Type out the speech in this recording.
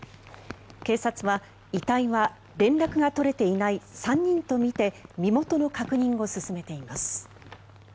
警察は、遺体は連絡が取れていない３人とみて身元の確認を進めています。